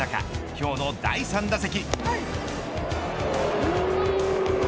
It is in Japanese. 今日の第３打席。